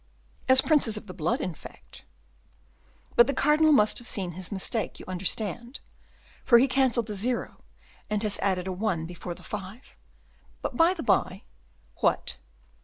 '" "As princes of the blood, in fact?" "But the cardinal must have seen his mistake, you understand; for he canceled the zero, and has added a one before the five. But, by the by " "What?"